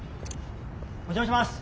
お邪魔します。